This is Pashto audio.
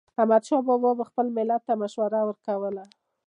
احمدشاه بابا به خپل ملت ته مشوره ورکوله.